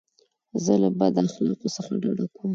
زه له بد اخلاقو څخه ډډه کوم.